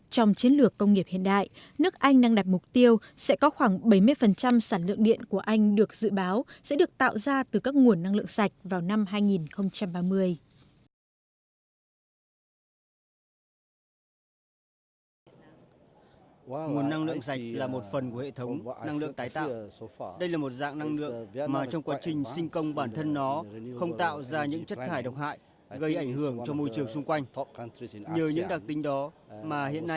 trong chiến lược công nghiệp hiện đại nước anh đang đạt mục tiêu sẽ có khoảng bảy mươi sản lượng điện của anh được dự báo sẽ được tạo ra từ các nguồn năng lượng sạch vào năm hai nghìn ba mươi